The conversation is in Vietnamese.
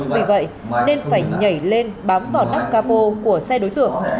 vì vậy nên phải nhảy lên bám vào nắp cà bồ của xe đối tượng